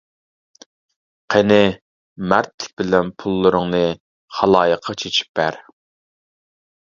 قېنى، مەردلىك بىلەن پۇللىرىڭنى خالايىققا چېچىپ بەر.